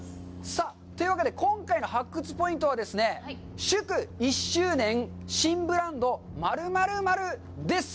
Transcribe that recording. さあ、というわけで、今回の発掘ポイントは、祝１周年新ブランド○○０です。